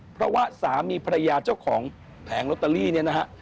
เพราะว่าสามีภรรยาเจ้าของแผงลอตเตอรี่เนี่ยนะฮะ